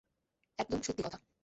একদম সত্যি কথা।